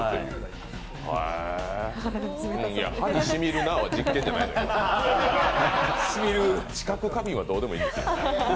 歯にしみるなの実験じゃないのよ、知覚過敏はどうでもいいのよ。